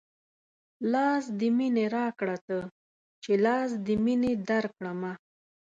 لاس د مينې راکه تۀ چې لاس د مينې درکړمه